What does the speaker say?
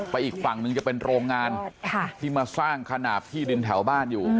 อีกฝั่งหนึ่งจะเป็นโรงงานที่มาสร้างขนาดที่ดินแถวบ้านอยู่